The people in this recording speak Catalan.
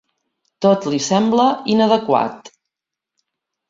Tot li sembla inadequat.